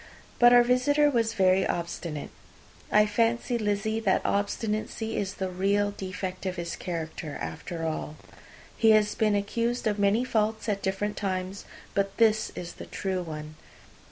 But our visitor was very obstinate. I fancy, Lizzy, that obstinacy is the real defect of his character, after all. He has been accused of many faults at different times; but this is the true one.